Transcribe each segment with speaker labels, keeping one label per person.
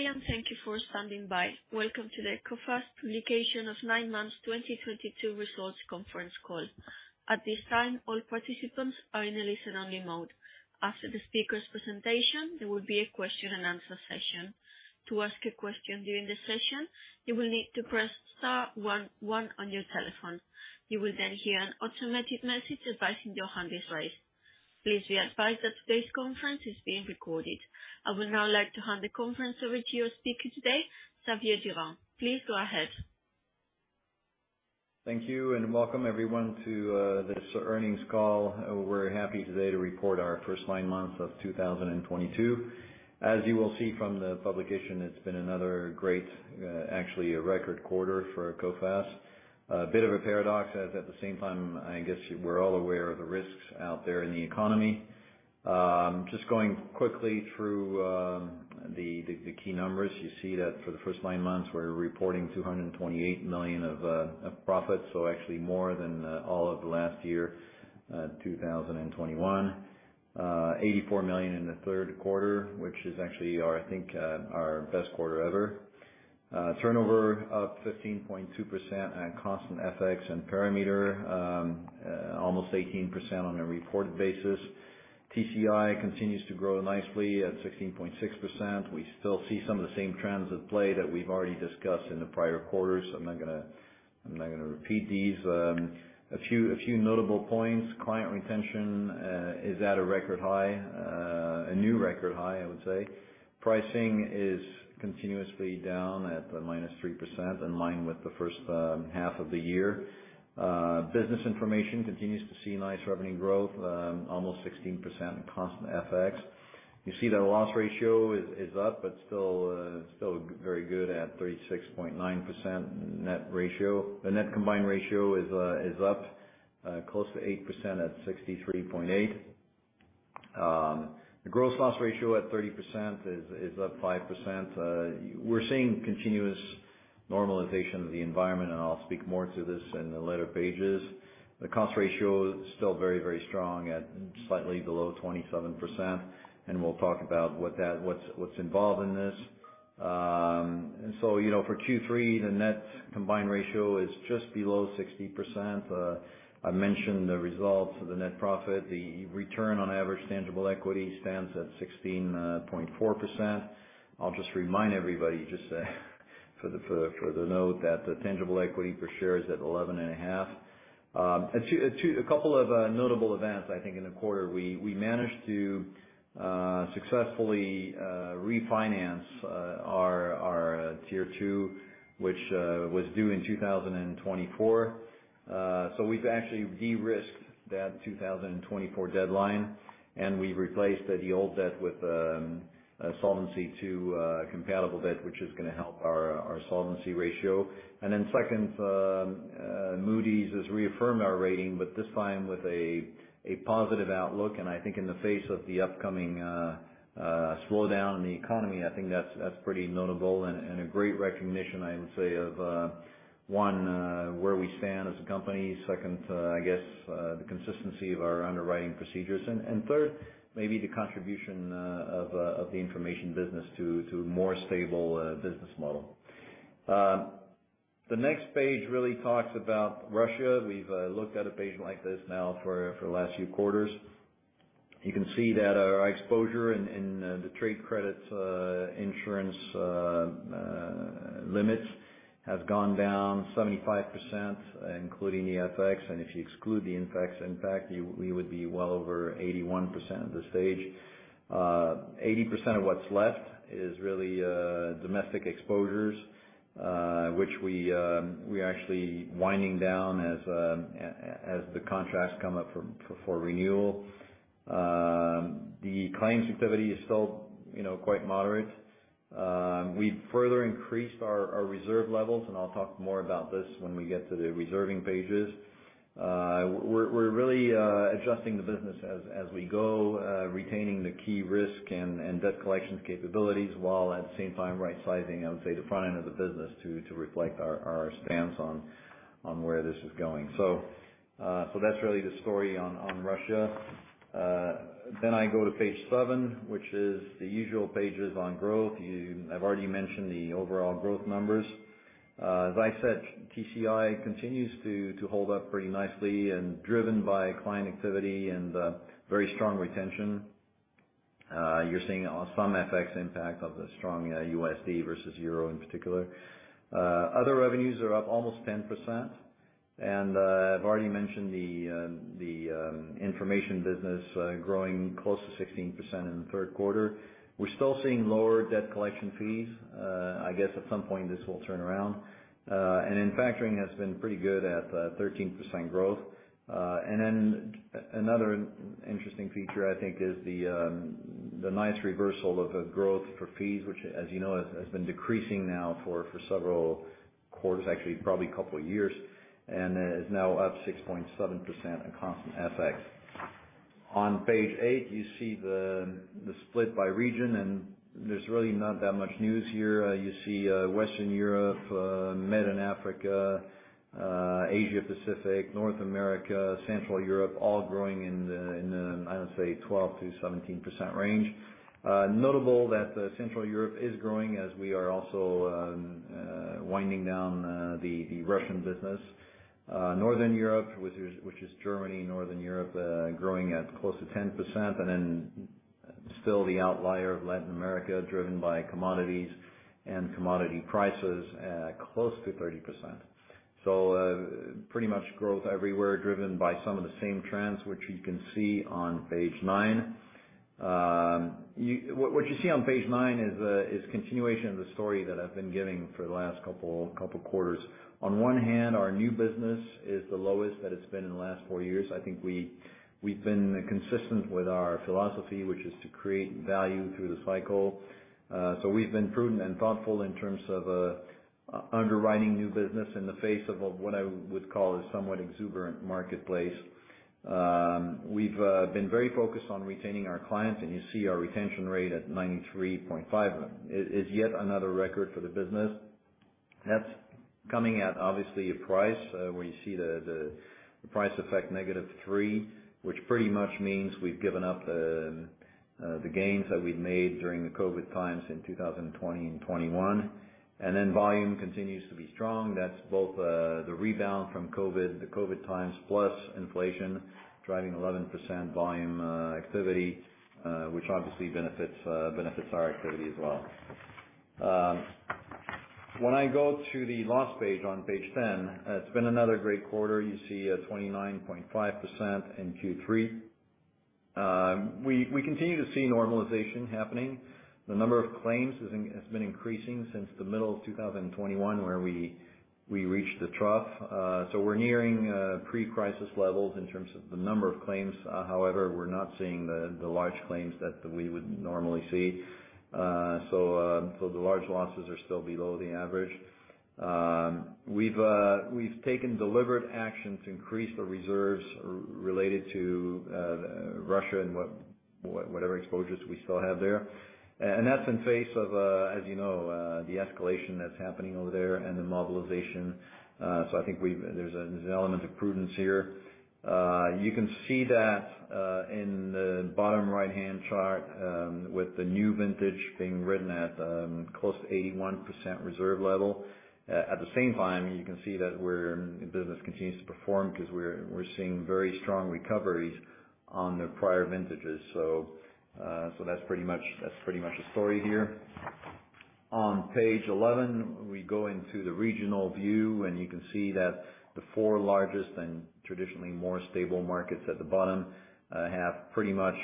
Speaker 1: Good day, and thank you for standing by. Welcome to the Coface publication of nine months 2022 results conference call. At this time, all participants are in a listen-only mode. After the speaker's presentation, there will be a question and answer session. To ask a question during the session, you will need to press star-one-one on your telephone. You will then hear an automated message advising your hand is raised. Please be advised that today's conference is being recorded. I would now like to hand the conference over to your speaker today, Xavier Durand. Please go ahead.
Speaker 2: Thank you, and welcome everyone to this earnings call. We're very happy today to report our first nine months of 2022. As you will see from the publication, it's been another great, actually a record quarter for Coface. A bit of a paradox as at the same time, I guess we're all aware of the risks out there in the economy. Just going quickly through the key numbers. You see that for the first nine months, we're reporting 228 million of profit, so actually more than all of the last year, 2021. 84 million in the Q3, which is actually our, I think, our best quarter ever. Turnover up 15.2% at constant FX and perimeter, almost 18% on a reported basis. TCI continues to grow nicely at 16.6%. We still see some of the same trends at play that we've already discussed in the prior quarters. I'm not gonna repeat these. A few notable points. Client retention is at a record high, a new record high, I would say. Pricing is continuously down at -3% in line with the H1 of the year. Business information continues to see nice revenue growth, almost 16% in constant FX. You see the loss ratio is up, but still very good at 36.9% net ratio. The net combined ratio is up close to 8% at 63.8. The gross loss ratio at 30% is up 5%. We're seeing continuous normalization of the environment, and I'll speak more to this in the later pages. The cost ratio is still very, very strong at slightly below 27%, and we'll talk about what's involved in this. You know, for Q3, the net combined ratio is just below 60%. I mentioned the results of the net profit. The return on average tangible equity stands at 16.4%. I'll just remind everybody for the note that the tangible equity per share is at 11.5. A couple of notable events, I think in the quarter. We managed to successfully refinance our Tier two, which was due in 2024. We've actually de-risked that 2024 deadline, and we replaced the old debt with a Solvency II compatible debt, which is gonna help our solvency ratio. Second, Moody's has reaffirmed our rating, but this time with a positive outlook. I think in the face of the upcoming slowdown in the economy, I think that's pretty notable and a great recognition, I would say, of one, where we stand as a company. Second, I guess the consistency of our underwriting procedures. Third, maybe the contribution of the information business to a more stable business model. The next page really talks about Russia. We've looked at a page like this now for the last few quarters. You can see that our exposure in the Trade Credit Insurance limits has gone down 75%, including the FX. If you exclude the FX impact, we would be well over 81% at this stage. 80% of what's left is really domestic exposures, which we're actually winding down as the contracts come up for renewal. The claims activity is still, you know, quite moderate. We've further increased our reserve levels, and I'll talk more about this when we get to the reserving pages. We're really adjusting the business as we go, retaining the key risk and debt collections capabilities, while at the same time right-sizing, I would say, the front end of the business to reflect our stance on where this is going. That's really the story on Russia. Then I go to page seven, which is the usual pages on growth. I've already mentioned the overall growth numbers. As I said, TCI continues to hold up pretty nicely and driven by client activity and very strong retention. You're seeing some FX impact of the strong USD versus Euro in particular. Other revenues are up almost 10%. I've already mentioned the information business growing close to 16% in the Q3. We're still seeing lower debt collection fees. I guess at some point this will turn around. Factoring has been pretty good at 13% growth. Another interesting feature I think is the nice reversal of the growth for fees, which as you know, has been decreasing now for several quarters, actually probably a couple of years, and is now up 6.7% in constant FX. On page eight, you see the split by region, and there's really not that much news here. You see Western Europe, Med and Africa, Asia Pacific, North America, Central Europe, all growing in the, I would say, 12%-17% range. Notable that Central Europe is growing as we are also winding down the Russian business. Northern Europe, which is Germany, Northern Europe, growing at close to 10%. Still the outlier of Latin America driven by commodities and commodity prices at close to 30%. Pretty much growth everywhere driven by some of the same trends which you can see on page nine. What you see on page nine is continuation of the story that I've been giving for the last couple quarters. On one hand, our new business is the lowest that it's been in the last four years. I think we've been consistent with our philosophy, which is to create value through the cycle. We've been prudent and thoughtful in terms of underwriting new business in the face of what I would call a somewhat exuberant marketplace. We've been very focused on retaining our clients, and you see our retention rate at 93.5%. It is yet another record for the business. That's coming at obviously a price where you see the price effect -3%, which pretty much means we've given up the gains that we've made during the COVID times in 2020 and 2021. Volume continues to be strong. That's both the rebound from COVID, the COVID times plus inflation driving 11% volume activity, which obviously benefits our activity as well. When I go to the loss page on page 10, it's been another great quarter. You see a 29.5% in Q3. We continue to see normalization happening. The number of claims has been increasing since the middle of 2021 where we reached the trough. We're nearing pre-crisis levels in terms of the number of claims. However, we're not seeing the large claims that we would normally see. So the large losses are still below the average. We've taken deliberate action to increase the reserves related to Russia and whatever exposures we still have there. That's in the face of, as you know, the escalation that's happening over there and the mobilization. I think there's an element of prudence here. You can see that in the bottom right-hand chart with the new vintage being written at close to 81% reserve level. At the same time, you can see that our business continues to perform because we're seeing very strong recoveries on the prior vintages. That's pretty much the story here. On page 11, we go into the regional view, and you can see that the four largest and traditionally more stable markets at the bottom have pretty much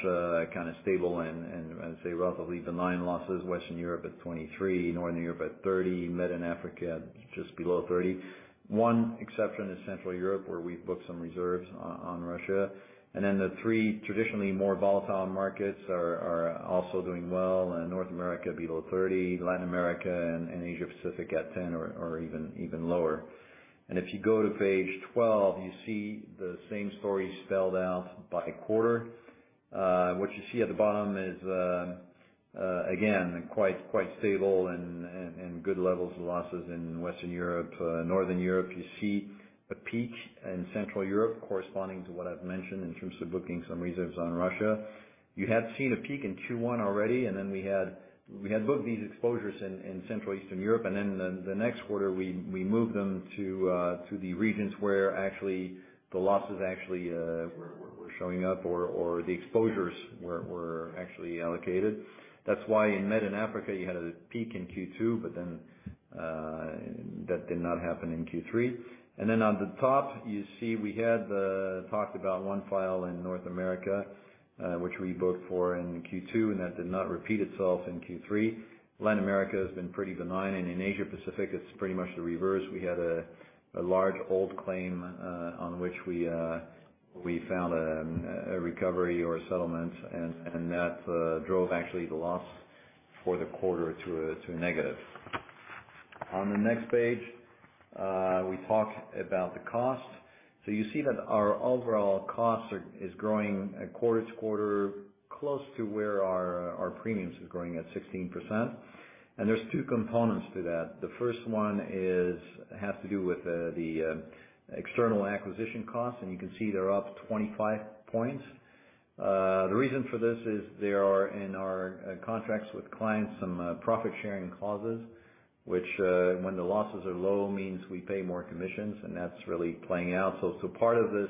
Speaker 2: kind of stable and I'd say relatively benign losses. Western Europe at 23%, Northern Europe at 30%, Med and Africa at just below 30%. One exception is Central Europe, where we've booked some reserves on Russia. The three traditionally more volatile markets are also doing well. In North America below 30%, Latin America and Asia Pacific at 10% or even lower. If you go to page 12, you see the same story spelled out by quarter. What you see at the bottom is, again, quite stable and good levels of losses in Western Europe. Northern Europe, you see a peak in Central Europe corresponding to what I've mentioned in terms of booking some reserves on Russia. You had seen a peak in Q1 already, and then we had both these exposures in Central Eastern Europe. Then the next quarter we moved them to the regions where actually the losses actually were showing up or the exposures were actually allocated. That's why in Med and Africa you had a peak in Q2, but then that did not happen in Q3. Then on the top you see we had talked about one file in North America, which we booked for in Q2, and that did not repeat itself in Q3. Latin America has been pretty benign. In Asia Pacific, it's pretty much the reverse. We had a large old claim on which we found a recovery or a settlement and that drove actually the loss for the quarter to a negative. On the next page, we talk about the cost. You see that our overall costs are growing quarter-to-quarter close to where our premiums are growing at 16%. There's two components to that. The first one is has to do with the external acquisition costs, and you can see they're up 25 points. The reason for this is there are in our contracts with clients some profit-sharing clauses, which, when the losses are low, means we pay more commissions, and that's really playing out. Part of this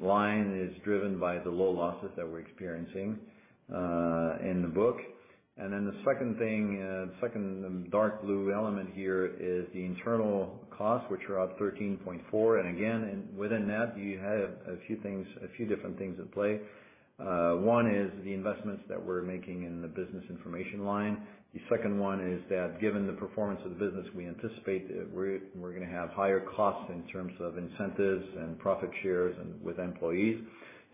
Speaker 2: line is driven by the low losses that we're experiencing in the book. The second thing, second dark blue element here is the internal costs, which are up 13.4%. Again, within that, you have a few things, a few different things at play. One is the investments that we're making in the business information line. The second one is that given the performance of the business, we anticipate that we're gonna have higher costs in terms of incentives and profit shares and with employees.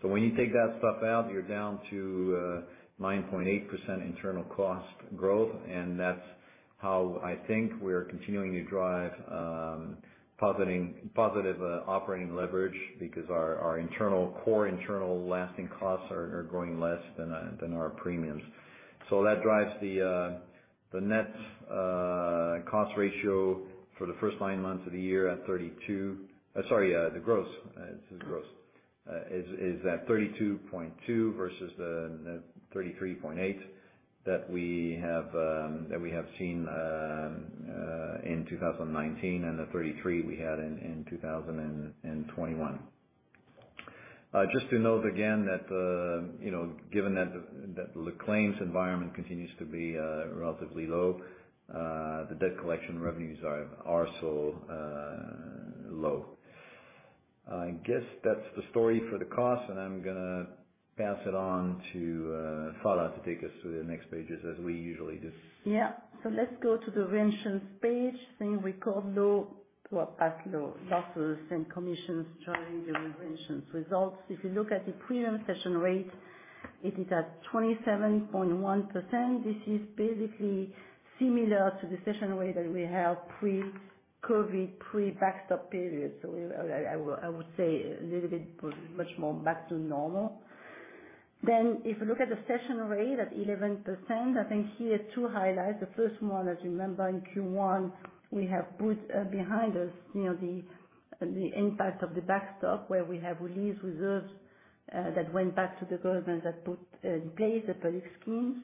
Speaker 2: When you take that stuff out, you're down to 9.8% internal cost growth. That's how I think we are continuing to drive positive operating leverage because our internal core internal lasting costs are growing less than our premiums. That drives the net cost ratio for the first nine months of the year at 32. Sorry, the gross is at 32.2 versus the net 33.8 that we have seen in 2019, and the 33 we had in 2021. Just to note again that, you know, given that the claims environment continues to be relatively low, the debt collection revenues are so low. I guess that's the story for the cost, and I'm gonna pass it on to Phalla to take us through the next pages as we usually do.
Speaker 3: Yeah. Let's go to the reinsurance page. Same record low, well past low losses and commissions during the reinsurance results. If you look at the premium cession rate, it is at 27.1%. This is basically similar to the cession rate that we have pre-COVID, pre-backstop period. I would say a little bit much more back to normal. If you look at the cession rate at 11%, I think there are two highlights. The first one, as you remember in Q1, we have put behind us, you know, the impact of the backstop, where we have relieved reserves that went back to the government that put in place the public schemes.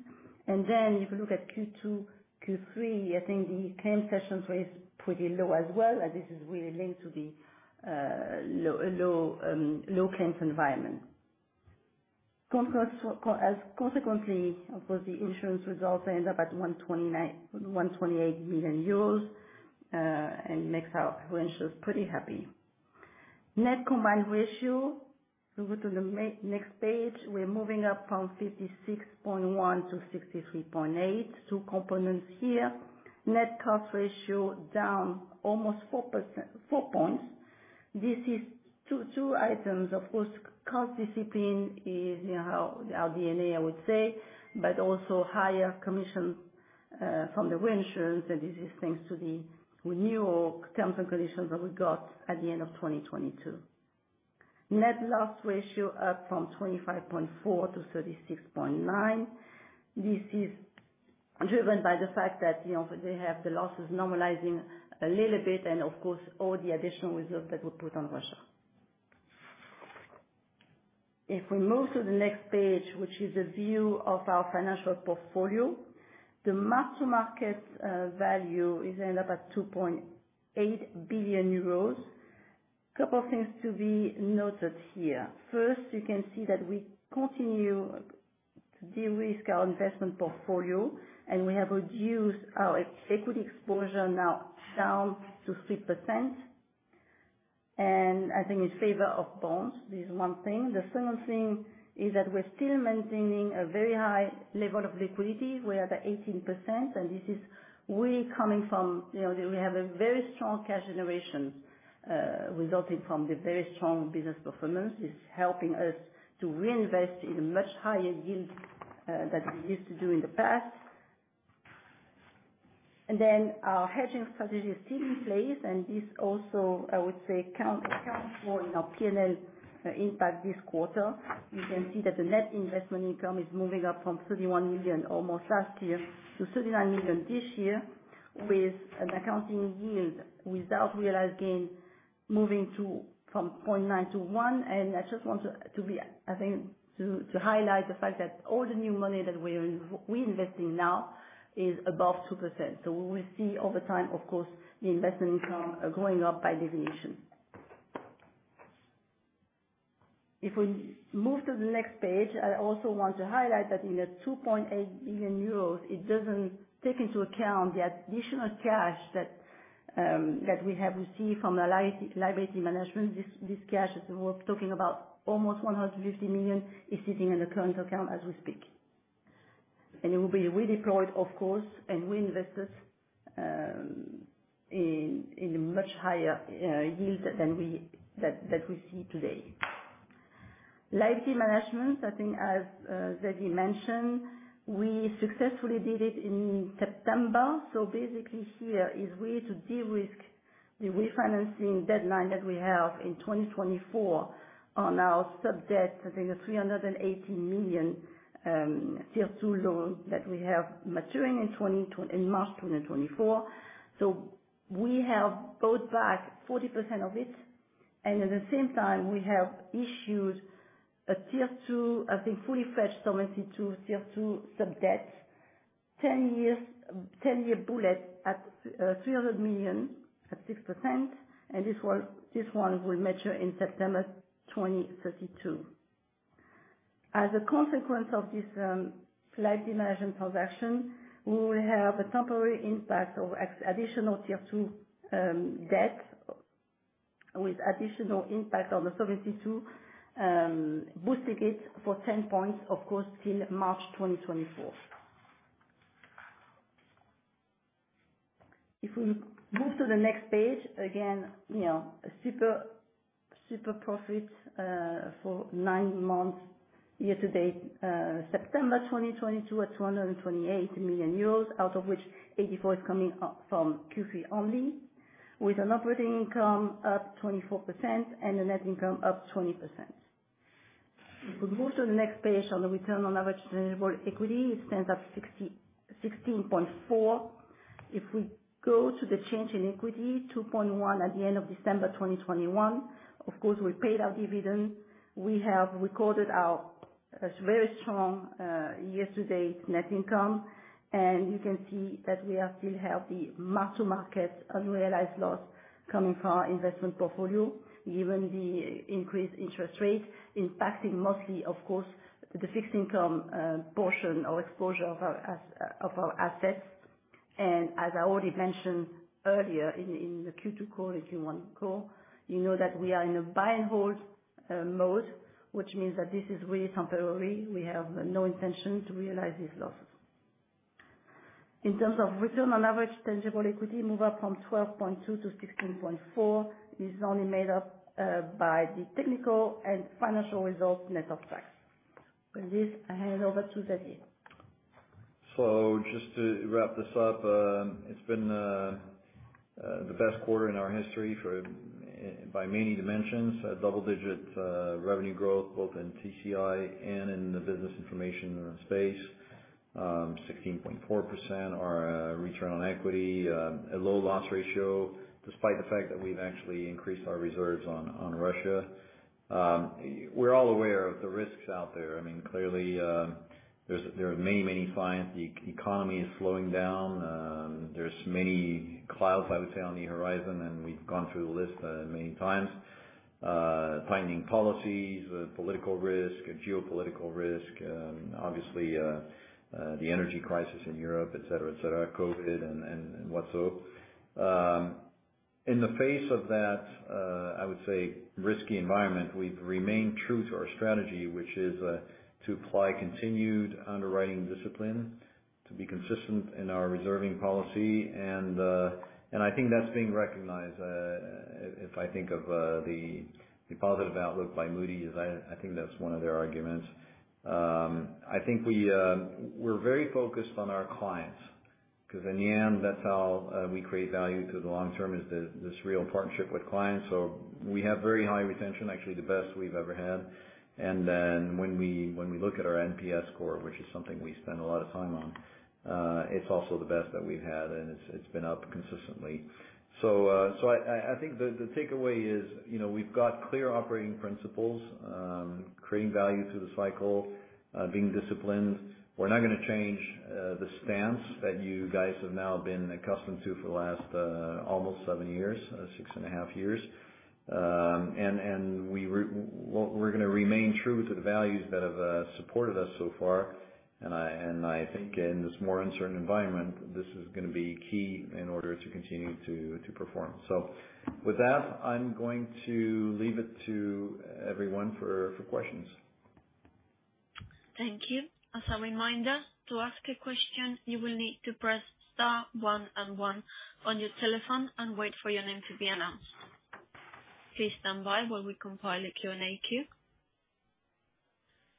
Speaker 3: If you look at Q2, Q3, I think the claim cession rate is pretty low as well, and this is really linked to the low claims environment. Consequently, of course, the insurance results end up at EUR 129 million, 128 million euros, and makes our reinsurers pretty happy. Net combined ratio, if we go to the next page, we're moving up from 56.1% to 63.8%. Two components here. Net cost ratio down almost 4%, four points. This is two items. Of course, cost discipline is, you know, our DNA, I would say, but also higher commission from the reinsurers, and this is thanks to the renewal terms and conditions that we got at the end of 2022. Net loss ratio up from 25.4% to 36.9%. This is driven by the fact that, you know, they have the losses normalizing a little bit and of course, all the additional reserves that we put on Russia. If we move to the next page, which is a view of our financial portfolio, the mark to market value ends up at 2.8 billion euros. Couple things to be noted here. First, you can see that we continue to de-risk our investment portfolio, and we have reduced our equity exposure now down to 3%. I think in favor of bonds is one thing. The second thing is that we're still maintaining a very high level of liquidity. We're at 18%, and this is really coming from, you know, we have a very strong cash generation resulting from the very strong business performance. It's helping us to reinvest in a much higher yield than we used to do in the past. Then our hedging strategy is still in place. This also, I would say, accounts for our P&L impact this quarter. You can see that the net investment income is moving up from 31 million almost last year to 39 million this year, with an accounting yield without realized gain moving from 0.9%-1%. I just want to highlight the fact that all the new money that we're investing now is above 2%. We will see over time, of course, the investment income going up by definition. If we move to the next page, I also want to highlight that in the 2.8 billion euros, it doesn't take into account the additional cash that we have received from the liability management. This cash that we're talking about, almost 150 million, is sitting in the current account as we speak. It will be redeployed, of course, and reinvested in much higher yield than we see today. Liability management, I think as Xavier mentioned, we successfully did it in September. Basically here is way to de-risk the refinancing deadline that we have in 2024 on our sub-debt, I think a 380 million Tier two loan that we have maturing in March 2024. We have bought back 40% of it, and at the same time, we have issued a Tier two, I think fully fledged Solvency II Tier two sub-debt, ten years, ten-year bullet at 300 million at 6%. This one will mature in September 2032. As a consequence of this, liability management transaction, we will have a temporary impact of an additional Tier two debt with additional impact on the Solvency II, boosting it for 10 points, of course, till March 2024. If we move to the next page, again, you know, super profit for nine months year-to-date, September 2022 at 228 million euros, out of which 84 million is coming up from Q3 only, with an operating income up 24% and a net income up 20%. If we move to the next page on the return on average tangible equity, it stands at 16.4. If we go to the change in equity, 2.1 at the end of December 2021. Of course, we paid our dividend. We have recorded a very strong year-to-date net income. You can see that we still have the mark-to-market unrealized loss coming from our investment portfolio, given the increased interest rate impacting mostly, of course, the fixed income portion or exposure of our assets. As I already mentioned earlier in the Q2 call and Q1 call, you know that we are in a buy and hold mode, which means that this is really temporary. We have no intention to realize these losses. In terms of return on average tangible equity, move up from 12.2 to 16.4. This is only made up by the technical and financial results net of tax. With this, I hand over to Xavier.
Speaker 2: Just to wrap this up, it's been the best quarter in our history by many dimensions. A double-digit revenue growth, both in TCI and in the business information space. 16.4% our return on equity. A low loss ratio, despite the fact that we've actually increased our reserves on Russia. We're all aware of the risks out there. I mean, clearly, there are many signs the economy is slowing down. There's many clouds, I would say, on the horizon, and we've gone through the list many times. Tightening policies, political risk, geopolitical risk, obviously, the energy crisis in Europe, et cetera. COVID and whatnot. In the face of that, I would say risky environment, we've remained true to our strategy, which is to apply continued underwriting discipline, to be consistent in our reserving policy. I think that's being recognized. If I think of the positive outlook by Moody's, I think that's one of their arguments. I think we're very focused on our clients, 'cause in the end, that's how we create value through the long term, is this real partnership with clients. We have very high retention, actually the best we've ever had. When we look at our NPS score, which is something we spend a lot of time on, it's also the best that we've had, and it's been up consistently. I think the takeaway is, you know, we've got clear operating principles, creating value through the cycle, being disciplined. We're not gonna change the stance that you guys have now been accustomed to for the last almost seven years, six and a half years. We're gonna remain true to the values that have supported us so far. I think in this more uncertain environment, this is gonna be key in order to continue to perform. With that, I'm going to leave it to everyone for questions.
Speaker 1: Thank you. As a reminder, to ask a question, you will need to press star one one on your telephone and wait for your name to be announced. Please stand by while we compile a Q&A queue.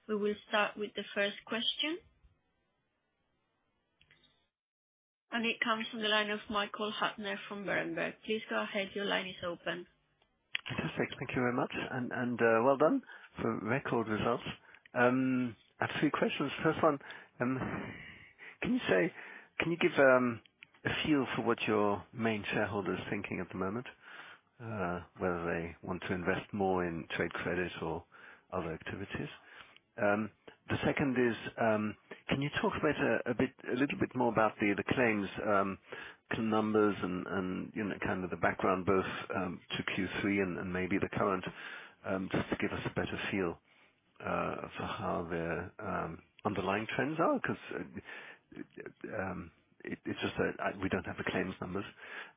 Speaker 1: We will start with the first question. It comes from the line of Michael Huttner from Berenberg. Please go ahead. Your line is open.
Speaker 4: Fantastic. Thank you very much. Well done for record results. I have three questions. First one, can you give a feel for what your main shareholder is thinking at the moment? Whether they want to invest more in trade credit or other activities. The second is, can you talk about a bit, a little bit more about the claims numbers and, you know, kind of the background, both to Q3 and maybe the current, just to give us a better feel for how the underlying trends are? Because it's just that we don't have the claims numbers.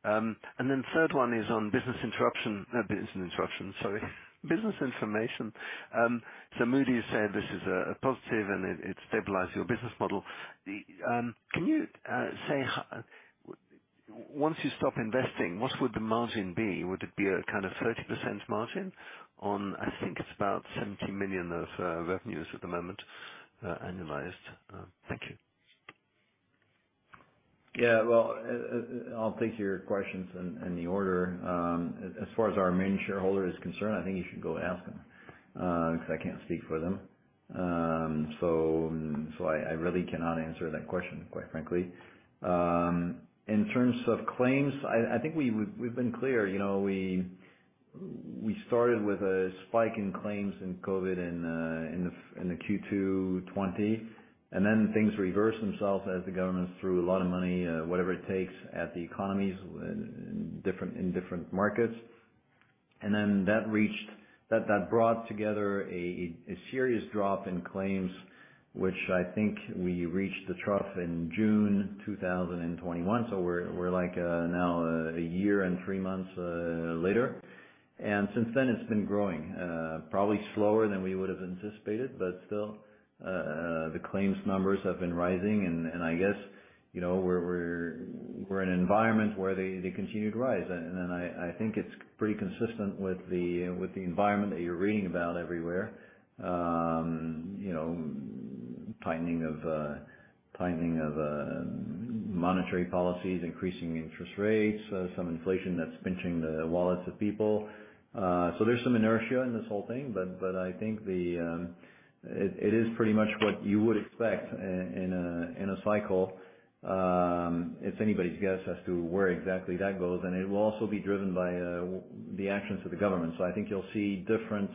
Speaker 4: Third one is on business interruption. Sorry. Business information. Moody's said this is a positive and it stabilized your business model. Then can you say once you stop investing, what would the margin be? Would it be a kind of 30% margin on, I think it's about 70 million of revenues at the moment, annualized. Thank you.
Speaker 2: Yeah. Well, I'll take your questions in the order. As far as our main shareholder is concerned, I think you should go ask them, because I can't speak for them. I really cannot answer that question, quite frankly. In terms of claims, I think we've been clear. You know, we started with a spike in claims in COVID in the Q2 2020, and then things reversed themselves as the government threw a lot of money, whatever it takes at the economies in different markets. That brought together a serious drop in claims, which I think we reached the trough in June 2021. We're like a year and three months later. Since then it's been growing, probably slower than we would've anticipated, but still, the claims numbers have been rising and I guess, you know, we're in an environment where they continue to rise. Then I think it's pretty consistent with the environment that you're reading about everywhere. You know, tightening of monetary policies, increasing interest rates, some inflation that's pinching the wallets of people. There's some inertia in this whole thing, but I think it is pretty much what you would expect in a cycle. It's anybody's guess as to where exactly that goes. It will also be driven by the actions of the government. I think you'll see different.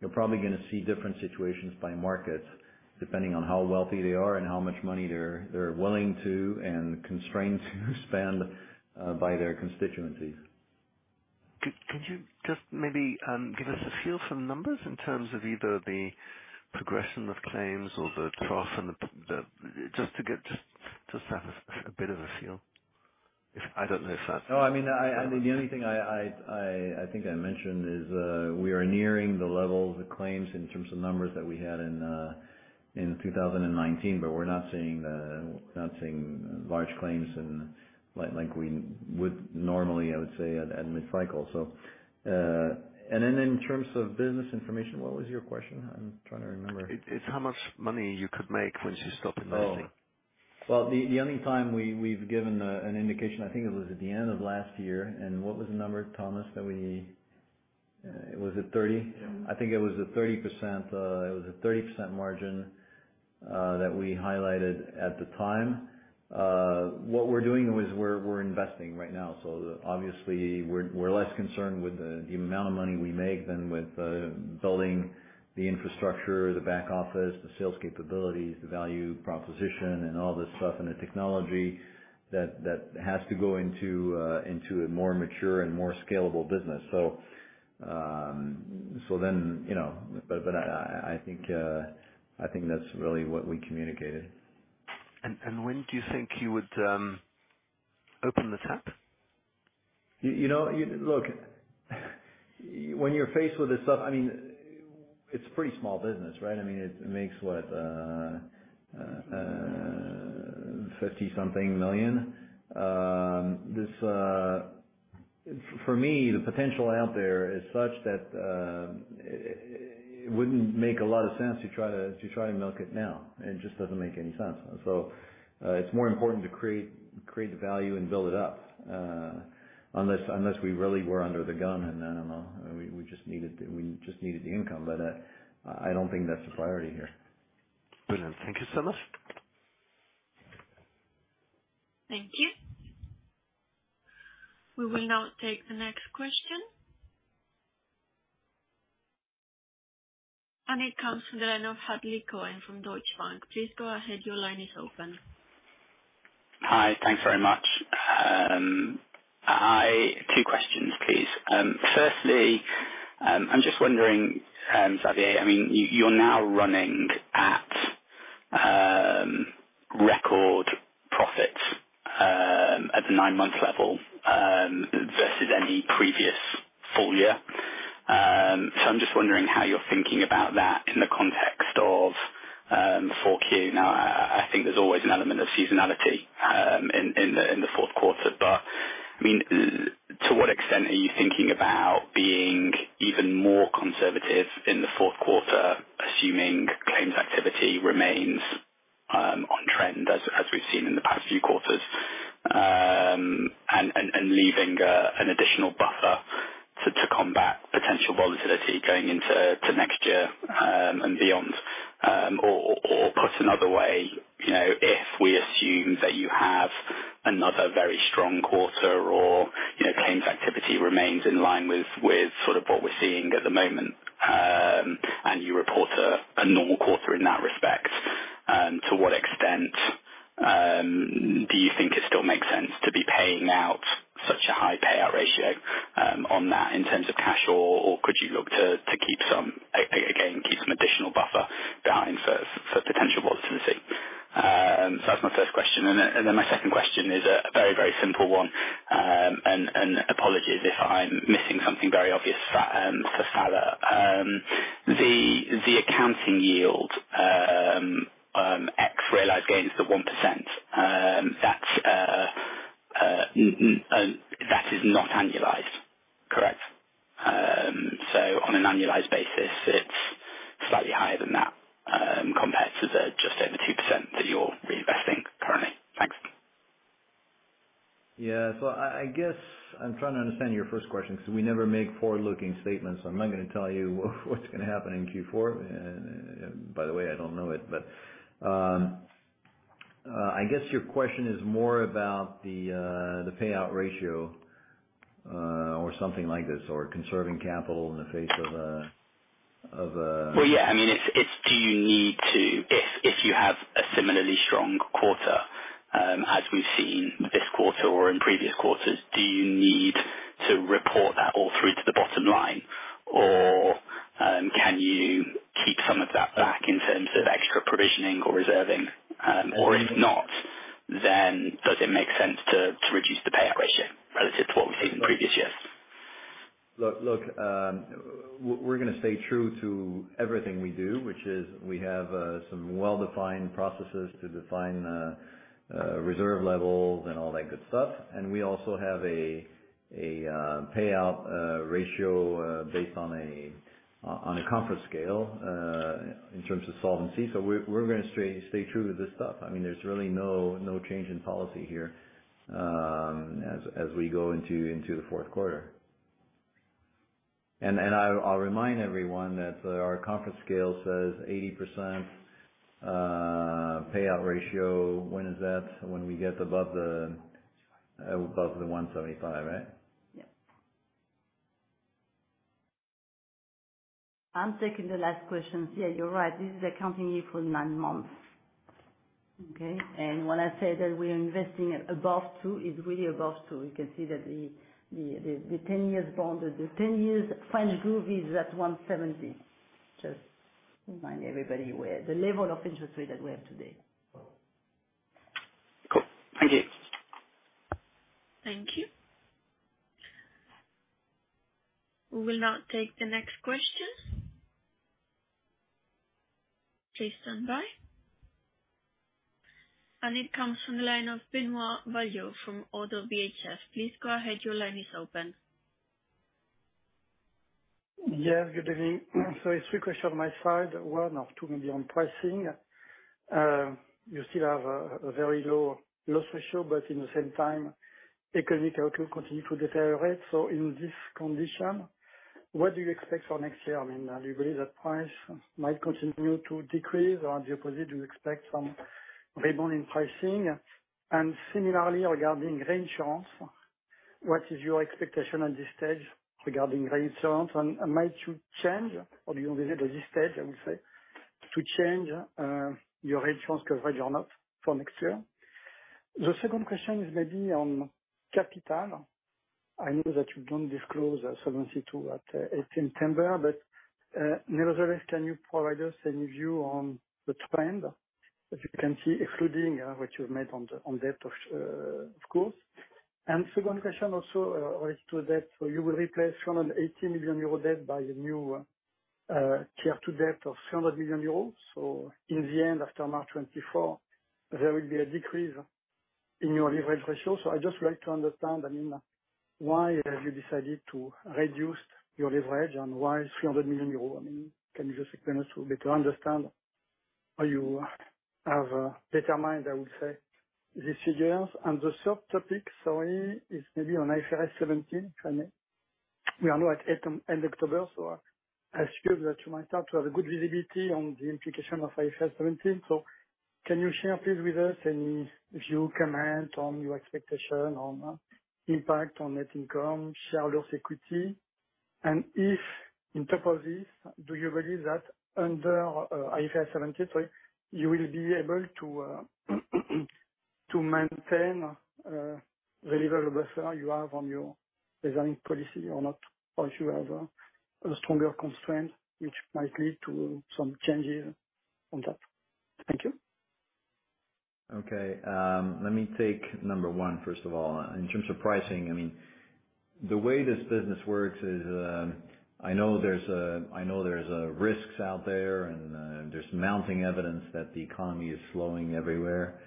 Speaker 2: You're probably gonna see different situations by markets, depending on how wealthy they are and how much money they're willing to and constrained to spend by their constituencies.
Speaker 4: Could you just maybe give us a feel for some numbers in terms of either the progression of claims or the trough and the. Just to get a bit of a feel. I don't know if that's.
Speaker 2: No, I mean, the only thing I think I mentioned is we are nearing the level of the claims in terms of numbers that we had in 2019, but we're not seeing large claims like we would normally. I would say at mid-cycle. Then in terms of business information, what was your question? I'm trying to remember.
Speaker 4: It's how much money you could make once you stop investing.
Speaker 2: Well, the only time we've given an indication, I think it was at the end of last year, and what was the number, Thomas, was it 30?
Speaker 5: Yeah.
Speaker 2: I think it was a 30%, it was a 30% margin that we highlighted at the time. What we're doing, though, is we're investing right now, so obviously we're less concerned with the amount of money we make than with building the infrastructure, the back office, the sales capabilities, the value proposition and all this stuff, and the technology that has to go into a more mature and more scalable business. Then, you know, but I think that's really what we communicated.
Speaker 4: When do you think you would open the tap?
Speaker 2: You know, look, when you're faced with this stuff, I mean, it's pretty small business, right? I mean, it makes what, 50-something million. For me, the potential out there is such that it wouldn't make a lot of sense to try to milk it now. It just doesn't make any sense. It's more important to create the value and build it up. Unless we really were under the gun and I don't know, and we just needed the income, but I don't think that's the priority here.
Speaker 4: Brilliant. Thank you so much.
Speaker 1: Thank you. We will now take the next question. It comes from the line of Hadley Cohen from Deutsche Bank. Please go ahead. Your line is open.
Speaker 6: Hi. Thanks very much. Two questions, please. First, I'm just wondering, Xavier, I mean, you're now running at record profits at the nine-month level versus any previous full year. So I'm just wondering how you're thinking about that in the context of Q4. Now, I think there's always an element of seasonality in the Q4. I mean, to what extent are you thinking about being even more conservative in the Q4, assuming claims activity remains on trend as we've seen in the past few quarters? And leaving an additional buffer to combat potential volatility going into next year and beyond. Put another way, you know, if we assume that you have another very strong quarter or, you know, claims activity remains in line with sort of what we're seeing at the moment, and you report a normal quarter in that respect, to what extent do you think it still makes sense to be paying out such a high payout ratio on that in terms of cash? Could you look to keep some, again, keep some additional buffer behind for potential volatility? That's my first question. My second question is a very, very simple one. Apologies if I'm missing something very obvious, for Phalla. The accounting yield ex realized gains of 1%, that is not annualized, correct? On an annualized basis, it's slightly higher than that, compared to the just over 2% that you're reinvesting currently. Thanks.
Speaker 2: Yeah. I guess I'm trying to understand your first question, 'cause we never make forward-looking statements, so I'm not gonna tell you what's gonna happen in Q4. And by the way, I don't know it. I guess your question is more about the payout ratio, or something like this, or conserving capital in the face of a, of a.
Speaker 6: Well, yeah. I mean, it's do you need to? If you have a similarly strong quarter, as we've seen this quarter or in previous quarters, do you need to report that all through to the bottom line or can you keep some of that back in terms of extra provisioning or reserving? Or if not, then does it make sense to reduce the payout ratio relative to what we've seen in previous years?
Speaker 2: Look, we're gonna stay true to everything we do, which is we have some well-defined processes to define reserve levels and all that good stuff. We also have a payout ratio based on a comfort scale in terms of solvency. We're gonna stay true to this stuff. I mean, there's really no change in policy here as we go into the Q4. I'll remind everyone that our comfort scale says 80% payout ratio. When is that? When we get above the 175, right?
Speaker 3: Yeah. I'm taking the last question. Yeah, you're right. This is accounting year for nine months. Okay? When I say that we are investing above two, it's really above two. You can see that the 10-year bond, the 10-year French OAT is at 1.70. Just remind everybody where the level of interest rate that we have today.
Speaker 6: Cool. Thank you.
Speaker 1: Thank you. We will now take the next question. Please stand by. It comes from the line of Benoit Valleaux from ODDO BHF. Please go ahead. Your line is open.
Speaker 7: Yeah, good evening. Three questions on my side. One or two maybe on pricing. You still have a very low loss ratio, but at the same time, economic cycle continues to deteriorate. In this condition, what do you expect for next year? I mean, do you believe that prices might continue to decrease, or on the opposite, you expect some rebound in pricing? And similarly regarding reinsurance, what is your expectation at this stage regarding reinsurance? And might you change, or do you envisage at this stage, I would say, to change your reinsurance coverage or not for next year? The second question is maybe on capital. I know that you don't disclose solvency as at 18 September, but nevertheless, can you provide us any view on the trend that you can see, excluding what you've made on the, on debt, of course. Second question also related to that. You will replace 80 million euro debt by a new Tier two debt of 100 million euros. In the end, after March 2024, there will be a decrease in your leverage ratio. I'd just like to understand, I mean, why have you decided to reduce your leverage, and why 300 million euros? I mean, can you just explain us a little bit to understand how you have determined, I would say, these figures? The third topic, sorry, is maybe on IFRS 17. We are now at end of October, so I assume that you might start to have a good visibility on the implication of IFRS 17. Can you share please with us any, if you comment on your expectation on impact on net income, shareholders equity? If on top of this, do you believe that under IFRS 17 you will be able to to maintain the level buffer you have on your design policy or not, or if you have a stronger constraint which might lead to some changes on that? Thank you.
Speaker 2: Okay. Let me take number one first of all. In terms of pricing, I mean, the way this business works is, I know there's risks out there and there's mounting evidence that the economy is slowing everywhere.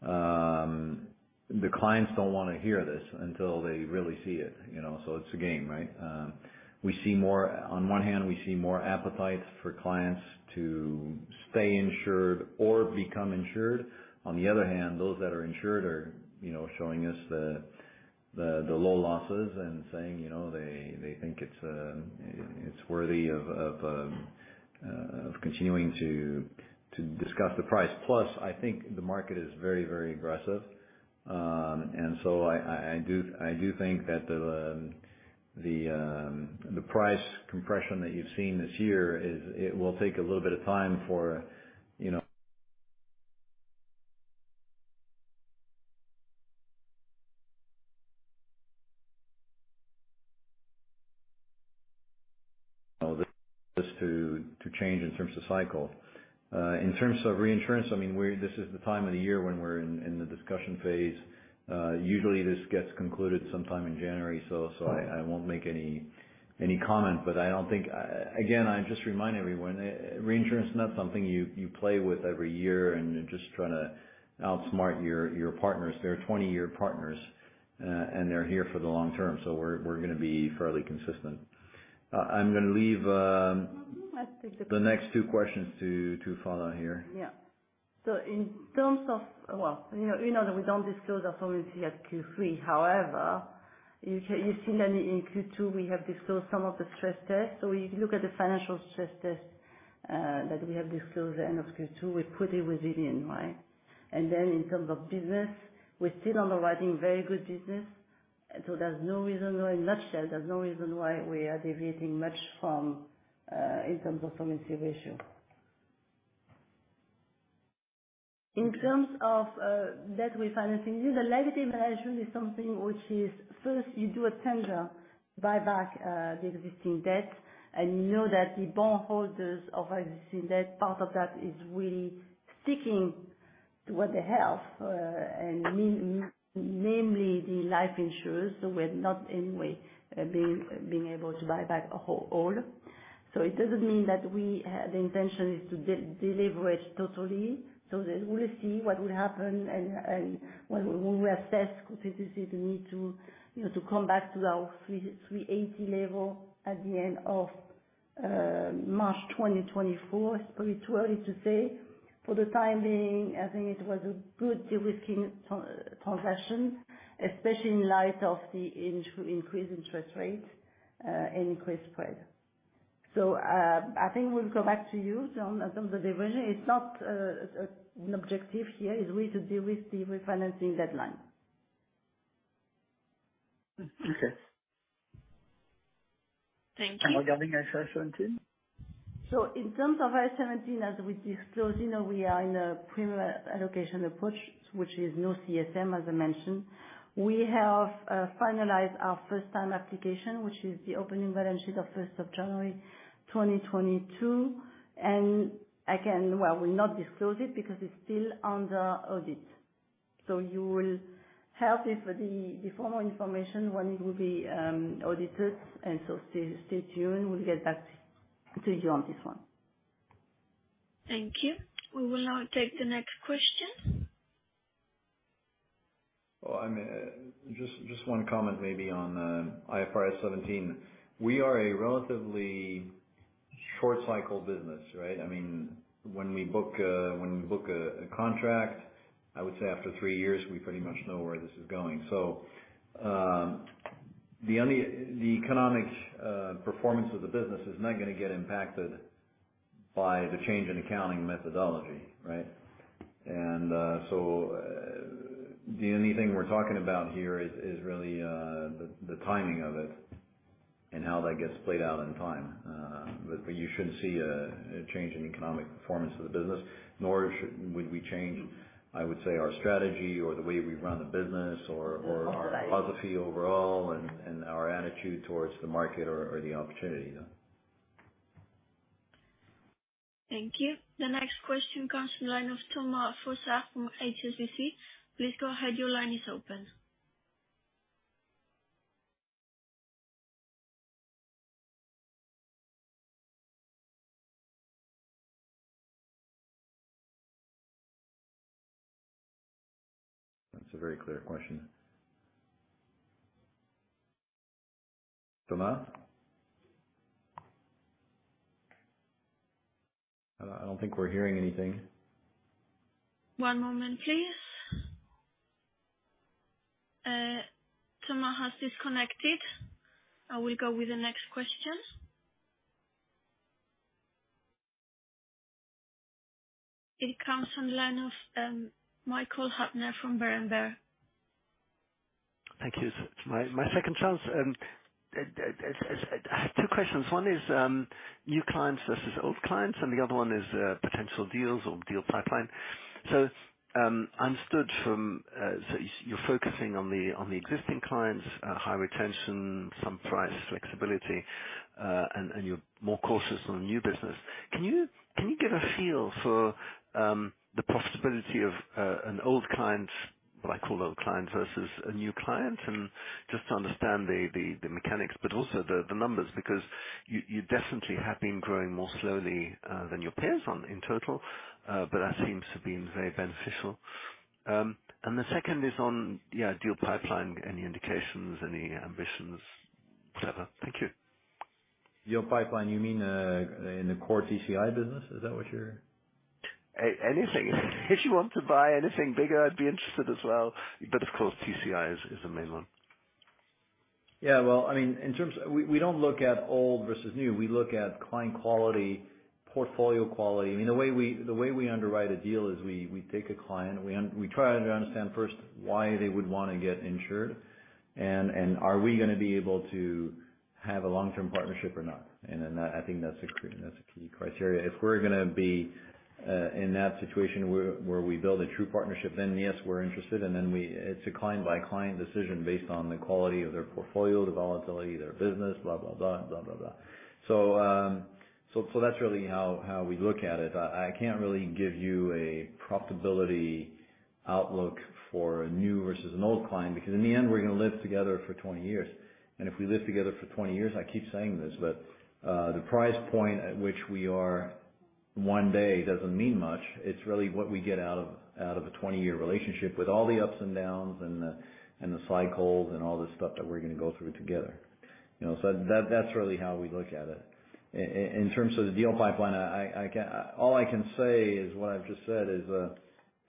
Speaker 2: The clients don't wanna hear this until they really see it, you know. It's a game, right? On one hand, we see more appetite for clients to stay insured or become insured. On the other hand, those that are insured are, you know, showing us the low losses and saying, you know, they think it's worthy of continuing to discuss the price. Plus, I think the market is very aggressive. I do think that the price compression that you've seen this year is. It will take a little bit of time for, you know, this to change in terms of cycle. In terms of reinsurance, I mean, this is the time of the year when we're in the discussion phase. Usually this gets concluded sometime in January, so I won't make any comment. I don't think. Again, I just remind everyone, reinsurance is not something you play with every year and you're just trying to outsmart your partners. They're 20-year partners, and they're here for the long term, so we're gonna be fairly consistent. I'm gonna leave.
Speaker 3: Mm-hmm. I'll take.
Speaker 2: The next two questions to Phalla Gervais here.
Speaker 3: Yeah. Well, you know that we don't disclose our solvency at Q3. However, you've seen that in Q2 we have disclosed some of the stress tests. If you look at the financial stress test that we have disclosed at end of Q2, we're pretty resilient, right? In terms of business, we're still underwriting very good business. There's no reason, in a nutshell, there's no reason why we are deviating much from in terms of solvency ratio. In terms of debt refinancing, the liability management is something which is first you do a tender buyback the existing debt. You know that the bondholders of existing debt, part of that is really sticking to what they have, and mainly the life insurers who were not in any way, being able to buy back a whole. It doesn't mean that we, the intention is to deleverage totally. We'll see what will happen and when we assess if there's a need to, you know, to come back to our 380 level at the end of March 2024. It's probably too early to say. For the time being, I think it was a good de-risking transaction, especially in light of the increased interest rates, and increased spread. I think we'll come back to you on the division. It's not an objective here. It's really to de-risk the refinancing deadline.
Speaker 7: Okay.
Speaker 1: Thank you.
Speaker 7: Regarding IFRS 17.
Speaker 3: In terms of IFRS 17, as we disclosed, you know, we are in a Premium Allocation Approach, which is no CSM, as I mentioned. We have finalized our first time application, which is the opening balance sheet of January 1, 2022. Again, well, we'll not disclose it because it's still under audit. You will have the formal information when it will be audited. Stay tuned. We'll get back to you on this one.
Speaker 1: Thank you. We will now take the next question.
Speaker 2: Well, I'm just one comment maybe on IFRS 17. We are a relatively short cycle business, right? I mean, when we book a contract, I would say after three years we pretty much know where this is going. The economic performance of the business is not gonna get impacted by the change in accounting methodology, right? The only thing we're talking about here is really the timing of it and how that gets played out in time. But you shouldn't see a change in economic performance of the business, nor should we change, I would say, our strategy or the way we run the business or our philosophy overall and our attitude towards the market or the opportunity though.
Speaker 1: Thank you. The next question comes from the line of Thomas Fossard from HSBC. Please go ahead. Your line is open.
Speaker 2: That's a very clear question. Thomas? I don't think we're hearing anything.
Speaker 1: One moment please. Thomas has disconnected. I will go with the next question. It comes from line of Michael Huttner from Berenberg.
Speaker 4: Thank you. It's my second chance. I have two questions. One is new clients versus old clients, and the other one is potential deals or deal pipeline. Understood from, so you're focusing on the existing clients, high retention, some price flexibility, and you're more cautious on new business. Can you give a feel for the profitability of an old client, what I call old client, versus a new client? Just to understand the mechanics but also the numbers, because you definitely have been growing more slowly than your peers on in total, but that seems to have been very beneficial. The second is on deal pipeline. Any indications, any ambitions, whatever. Thank you.
Speaker 2: Deal pipeline, you mean, in the core TCI business? Is that what you're?
Speaker 4: Anything. If you want to buy anything bigger, I'd be interested as well. Of course TCI is the main one.
Speaker 2: Yeah. Well, I mean We don't look at old versus new. We look at client quality, portfolio quality. I mean, the way we underwrite a deal is we take a client and we try to understand first why they would wanna get insured and are we gonna be able to have a long-term partnership or not. I think that's a key criteria. If we're gonna be in that situation where we build a true partnership, then yes, we're interested. It's a client-by-client decision based on the quality of their portfolio, the volatility of their business, blah, blah and blah, blah. That's really how we look at it. I can't really give you a profitability outlook for a new versus an old client because in the end we're gonna live together for 20 years. If we live together for 20 years, I keep saying this, but the price point at which we are one day doesn't mean much. It's really what we get out of a 20-year relationship with all the ups and downs and the cycles and all the stuff that we're gonna go through together. You know, that's really how we look at it. In terms of the deal pipeline, all I can say is what I've just said,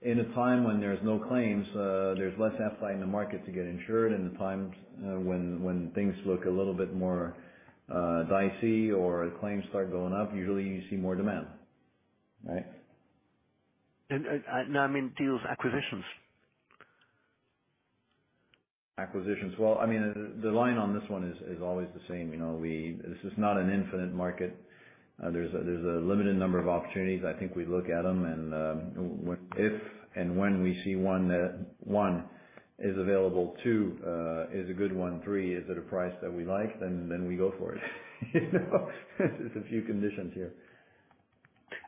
Speaker 2: in a time when there's no claims, there's less appetite in the market to get insured. In the times when things look a little bit more dicey or claims start going up, usually you see more demand. Right?
Speaker 4: No, I mean deals, acquisitions.
Speaker 2: Acquisitions. Well, I mean, the line on this one is always the same. You know, this is not an infinite market. There's a limited number of opportunities. I think we look at them and, if and when we see one that is available, two, is a good one, three, is at a price that we like, then we go for it. You know? There's a few conditions here.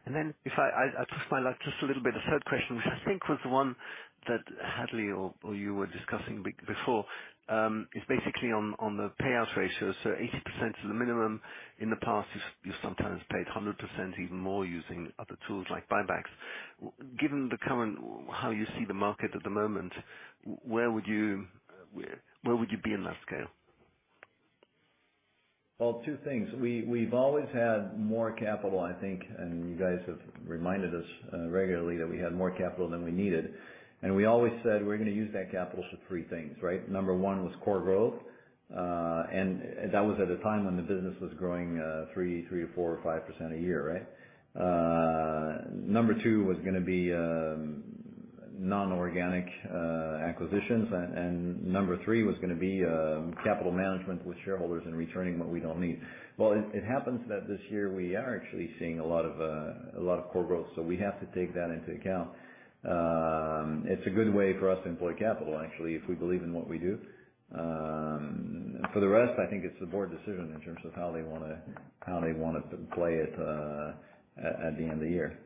Speaker 4: If I push my luck just a little bit, a third question, which I think was the one that Hadley or you were discussing before, is basically on the payout ratio. 80% is the minimum. In the past, you've sometimes paid 100% even more using other tools, like buybacks. Given the current, how you see the market at the moment, where would you be in that scale?
Speaker 2: Two things. We've always had more capital, I think, and you guys have reminded us regularly that we had more capital than we needed. We always said we're gonna use that capital for three things, right? Number one was core growth. That was at a time when the business was growing 3% to 4% or 5% a year, right? Number two was gonna be non-organic acquisitions. Number three was gonna be capital management with shareholders and returning what we don't need. It happens that this year we are actually seeing a lot of core growth, so we have to take that into account. It's a good way for us to employ capital, actually, if we believe in what we do. For the rest, I think it's the board's decision in terms of how they wanna play it at the end of the year.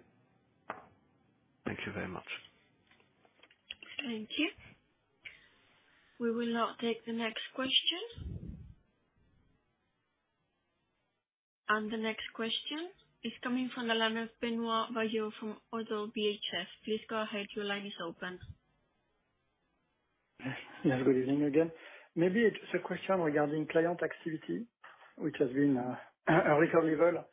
Speaker 4: Thank you very much.
Speaker 1: Thank you. We will now take the next question. The next question is coming from the line of Benoit Valleaux from ODDO BHF. Please go ahead. Your line is open.
Speaker 7: Yes, good evening again. Maybe it's a question regarding client activity, which has been a record level,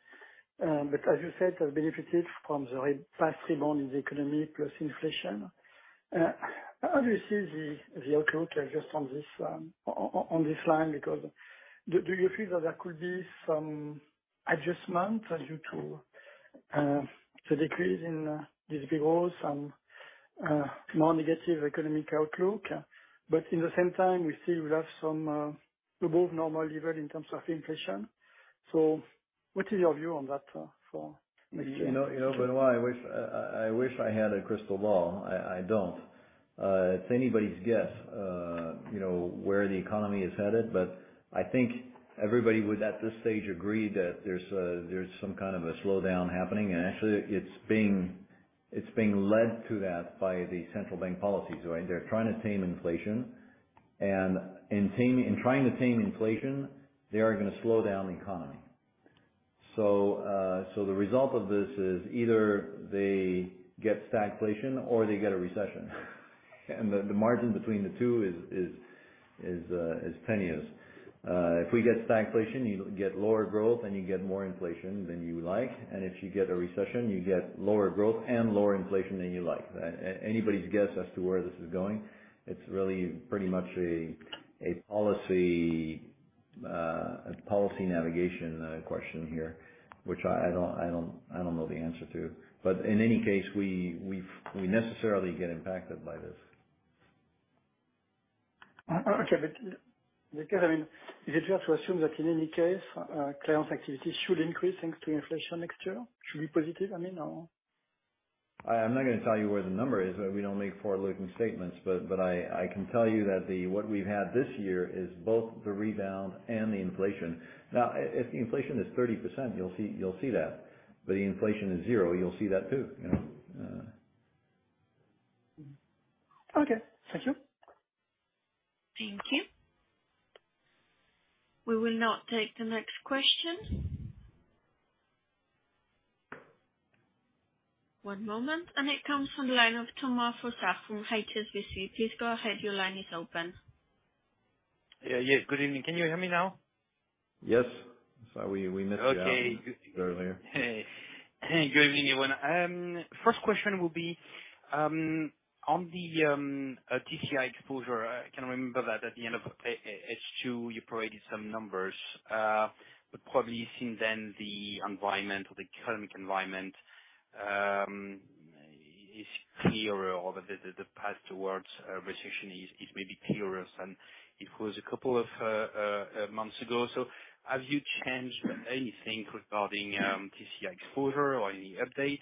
Speaker 7: but as you said, has benefited from the recent past rebound in the economy plus inflation. How do you see the outlook adjust on this line because do you feel that there could be some adjustment due to the decrease in GDP growth, some more negative economic outlook? But at the same time, we see we have some above normal level in terms of inflation. What is your view on that for next year?
Speaker 2: You know, Benoit, I wish I had a crystal ball. I don't. It's anybody's guess, you know, where the economy is headed, but I think everybody would, at this stage, agree that there's some kind of a slowdown happening. Actually it's being led to that by the central bank policies, right? They're trying to tame inflation. In trying to tame inflation, they are gonna slow down the economy. The result of this is either they get stagflation or they get a recession. The margin between the two is pennies. If we get stagflation, you get lower growth, and you get more inflation than you like. If you get a recession, you get lower growth and lower inflation than you like. Anybody's guess as to where this is going. It's really pretty much a policy navigation question here, which I don't know the answer to. In any case, we necessarily get impacted by this.
Speaker 7: Okay. Because, I mean, is it fair to assume that, in any case, client activity should increase thanks to inflation next year? Should be positive, I mean, or?
Speaker 2: I am not gonna tell you where the number is. We don't make forward-looking statements. I can tell you that what we've had this year is both the rebound and the inflation. Now, if the inflation is 30%, you'll see that. The inflation is zero, you'll see that too, you know?
Speaker 7: Okay. Thank you.
Speaker 1: Thank you. We will now take the next question. One moment, it comes from the line of Thomas Fossard from HSBC. Please go ahead. Your line is open.
Speaker 8: Yeah. Yes, good evening. Can you hear me now?
Speaker 2: Yes. Sorry, we missed you.
Speaker 8: Okay.
Speaker 2: Earlier.
Speaker 8: Good evening, everyone. First question will be on the TCI exposure. I can remember that at the end of H2, you provided some numbers. But probably since then, the environment or the economic environment is clearer or the path towards a recession is, it may be clearer than it was a couple of months ago. Have you changed anything regarding TCI exposure or any update?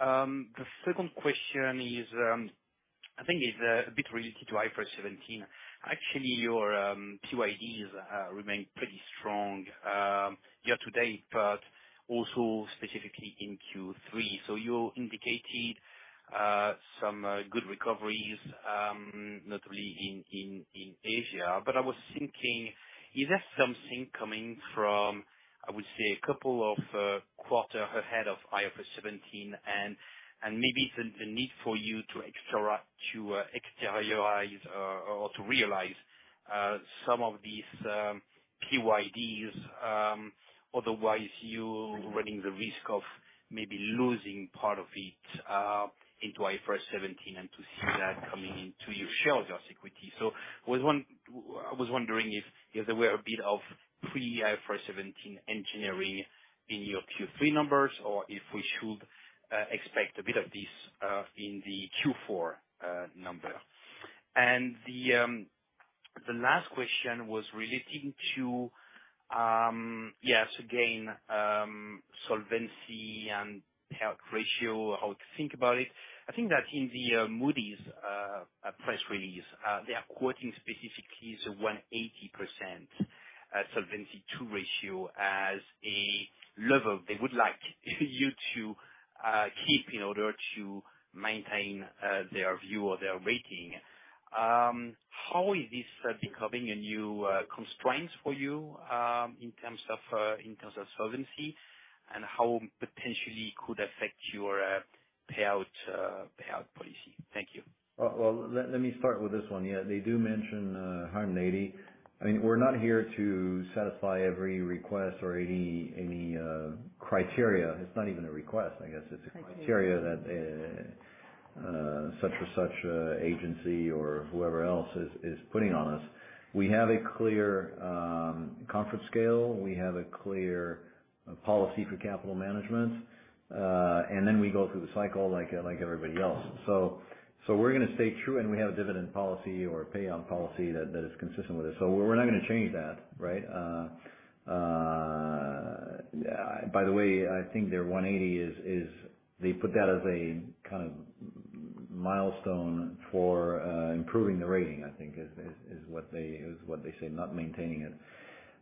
Speaker 8: The second question is, I think it's a bit related to IFRS 17. Actually, your PYDs remain pretty strong year to date, but also specifically in Q3. You indicated some good recoveries, not only in Asia. I was thinking, is there something coming from, I would say, a couple of quarter ahead of IFRS 17 and maybe the need for you to exteriorize or to realize some of these PYDs, otherwise you running the risk of maybe losing part of it into IFRS 17 and to see that coming into your shareholders' equity. I was wondering if there were a bit of pre-IFRS 17 engineering in your Q3 numbers or if we should expect a bit of this in the Q4 number. The last question was relating to, yes, again, solvency and payout ratio, how to think about it. I think that in the Moody's press release, they are quoting specifically 180% Solvency II ratio as a level they would like you to keep in order to maintain their view or their rating. How is this becoming a new constraint for you in terms of solvency? How potentially could this affect your payout policy? Thank you.
Speaker 2: Well, let me start with this one. Yeah, they do mention. Hi, Nady. I mean, we're not here to satisfy every request or any criteria. It's not even a request.
Speaker 3: Criteria.
Speaker 2: Criteria that such and such agency or whoever else is putting on us. We have a clear comfort scale. We have a clear policy for capital management. We go through the cycle like everybody else. We're gonna stay true, and we have a dividend policy or payout policy that is consistent with this. We're not gonna change that, right? By the way, I think their 180 is they put that as a kind of milestone for improving the rating, I think is what they say, not maintaining it.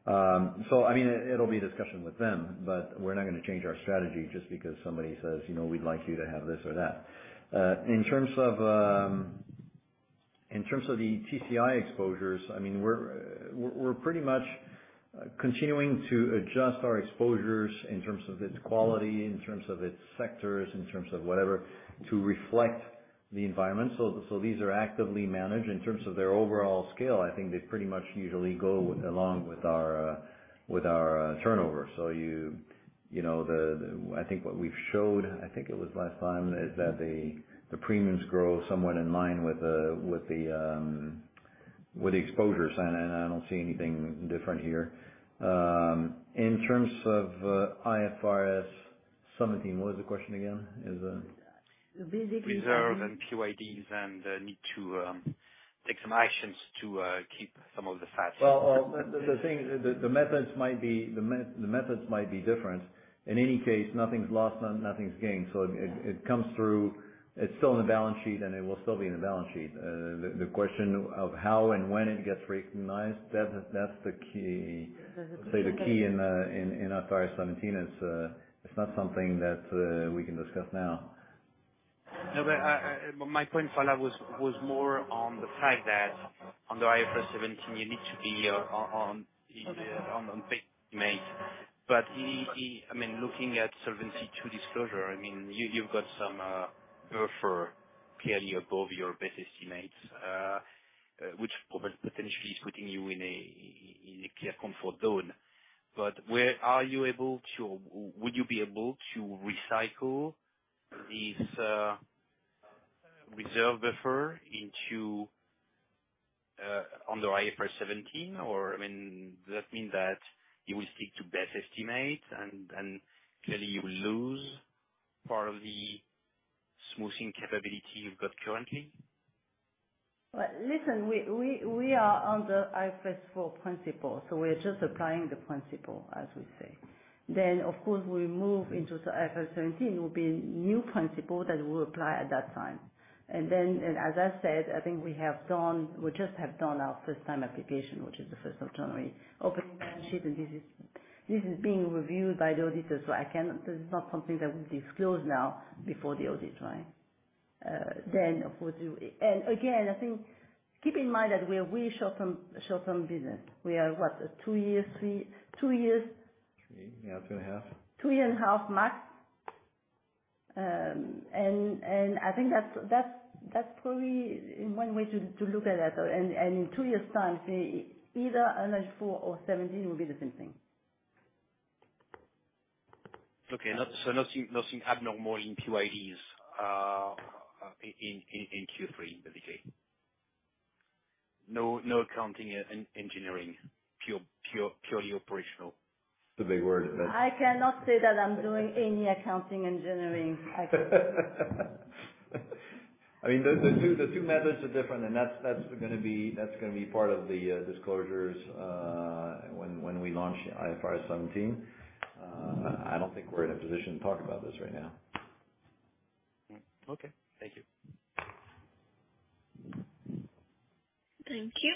Speaker 2: I mean, it'll be a discussion with them, but we're not gonna change our strategy just because somebody says, "You know, we'd like you to have this or that." In terms of the TCI exposures, I mean, we're pretty much continuing to adjust our exposures in terms of its quality, in terms of its sectors, in terms of whatever, to reflect the environment. These are actively managed. In terms of their overall scale, I think they pretty much usually go along with our turnover. You know, I think what we've showed, I think it was last time, is that the premiums grow somewhat in line with the exposures. I don't see anything different here. In terms of IFRS 17, what was the question again?
Speaker 3: The PYD.
Speaker 8: Reserves and PYDs and the need to take some actions to keep some of the fat.
Speaker 2: Well, the thing is the methods might be different. In any case, nothing's lost and nothing's gained. It comes through. It's still in the balance sheet, and it will still be in the balance sheet. The question of how and when it gets recognized, that's the key. The key in IFRS 17 is, it's not something that we can discuss now.
Speaker 8: No, my point, Phalla, was more on the fact that on the IFRS 17, you need to be on the estimates. I mean, looking at Solvency II disclosure, I mean, you've got some buffer clearly above your best estimates, which probably potentially is putting you in a clear comfort zone. Would you be able to recycle these reserve buffer into under IFRS 17? Or, I mean, does that mean that you will stick to best estimate and clearly you will lose part of the smoothing capability you've got currently?
Speaker 3: Well, listen, we are on the IFRS four principle, so we're just applying the principle, as we say. Then, of course, we move into the IFRS 17 will be new principle that we'll apply at that time. As I said, I think we just have done our first time application, which is the 1st of January. Opening balance sheet, and this is being reviewed by the auditors. So I cannot. This is not something that we disclose now before the audit, right? Then of course, we. Again, I think keep in mind that we're really short-term business. We are what? Two years, three. Two years.
Speaker 2: Three. Yeah, 2.5.
Speaker 3: 2.5 years max. I think that's probably one way to look at that. In two years' time, say, either IFRS 4 or IFRS 17 will be the same thing.
Speaker 8: Okay. Nothing abnormal in PYDs in Q3 basically? No accounting engineering, purely operational.
Speaker 2: That's a big word.
Speaker 3: I cannot say that I'm doing any accounting engineering.
Speaker 2: I mean, the two methods are different, and that's gonna be part of the disclosures when we launch IFRS 17. I don't think we're in a position to talk about this right now.
Speaker 8: Okay. Thank you.
Speaker 1: Thank you.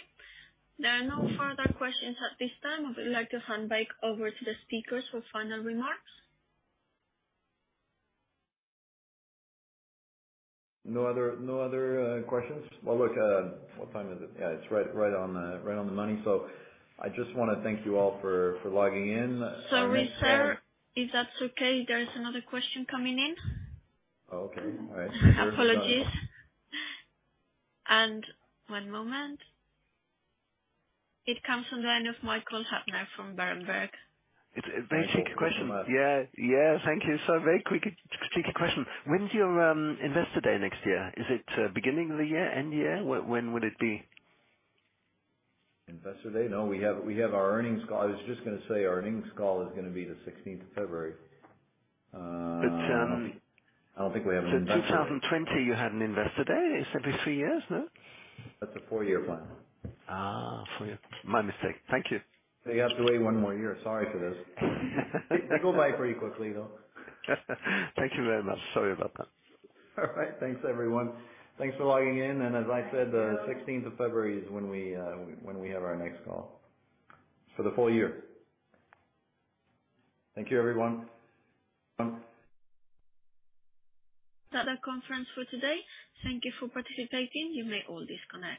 Speaker 1: There are no further questions at this time. I would like to hand back over to the speakers for final remarks.
Speaker 2: No other questions? Well, look, what time is it? Yeah, it's right on the money, so I just wanna thank you all for logging in.
Speaker 1: Sorry, sir. If that's okay, there's another question coming in.
Speaker 2: Oh, okay. All right.
Speaker 1: Apologies. One moment. It comes from the line of Michael Huttner from Berenberg.
Speaker 2: Michael, welcome back.
Speaker 4: It's a very quick question. Yeah. Yeah, thank you, sir. Very quick question. When's your investor day next year? Is it beginning of the year, end of year? When would it be?
Speaker 2: Investor day? No, we have our earnings call. I was just gonna say our earnings call is gonna be the 16th of February.
Speaker 4: But, um.
Speaker 2: I don't think we have an investor day.
Speaker 4: 2020 you had an investor day. Is it every three years, no?
Speaker 2: That's a four-year plan.
Speaker 4: My mistake. Thank you.
Speaker 2: You have to wait one more year. Sorry for this. They go by pretty quickly, though.
Speaker 4: Thank you very much. Sorry about that.
Speaker 2: All right. Thanks, everyone. Thanks for logging in. As I said, the 16th of February is when we have our next call. For the full year. Thank you, everyone.
Speaker 1: That concludes the conference for today. Thank you for participating. You may all disconnect.